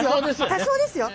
多少ですよ！